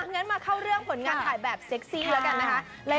งั้นมาเข้าเรื่องผลงานถ่ายแบบเซ็กซี่แล้วกันนะคะ